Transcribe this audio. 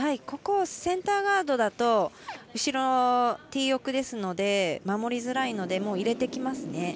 ここ、センターガードだと後ろ、ティー奥ですので守りづらいのでもう、入れてきますね。